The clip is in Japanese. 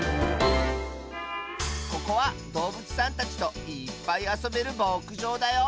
ここはどうぶつさんたちといっぱいあそべるぼくじょうだよ。